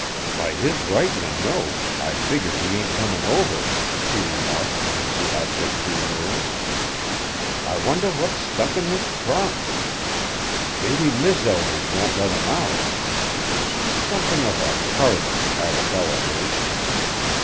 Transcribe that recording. "By his writin' a note, I figger he ain't comin' over," he remarked, as the object drew nearer. "I wonder what's stuck in his crop! Mebbe Mis' Eldridge won't let him out. She's something of a Tartar Arabella is.